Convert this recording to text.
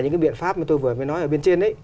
vừa mới nói ở bên trên